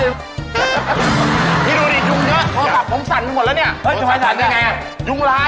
นี่ดูดิยุงนะพอแบบมันสันหมดแล้วเนี่ยมันถัดทรัพย์แง